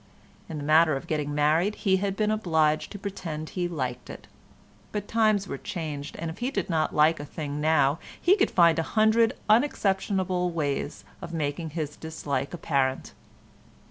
In the matter of getting married he had been obliged to pretend he liked it; but times were changed, and if he did not like a thing now, he could find a hundred unexceptionable ways of making his dislike apparent.